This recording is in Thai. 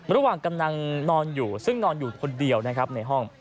ระหว่างกำลังนอนอยู่ซึ่งนอนอยู่คนเดียวนะครับในห้อง